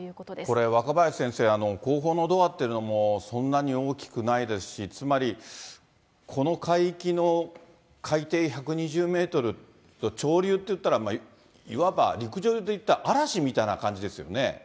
これ、若林先生、後方のドアっていうのも、そんなに大きくないですし、つまり、この海域の海底１２０メートルの潮流っていったら、いわば、陸上で言ったら嵐みたいな感じですよね。